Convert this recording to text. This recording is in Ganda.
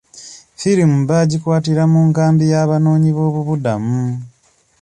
Firimu baagikwatira mu nkambi y'abanoonyiboobubudamu.